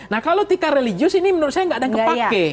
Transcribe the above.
nah kalau tika religius ini menurut saya nggak ada yang kepake